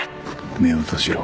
目を閉じろ